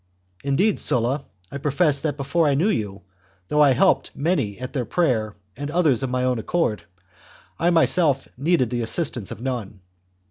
Indeed, Sulla, I profess that before I knew you, though I helped many at their prayer and others of my own accord, I myself needed the assistanpe of none.